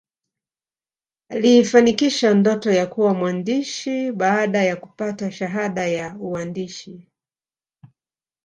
aliifanikisha ndoto ya kuwa mwandisi baada ya kupata shahada ya uandisi